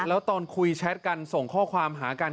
แล้วตอนคุยแชทกันส่งข้อความหากัน